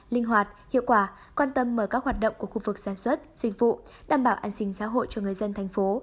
linh hoạt hiệu quả quan tâm mở các hoạt động của khu vực sản xuất dịch vụ đảm bảo an sinh xã hội cho người dân thành phố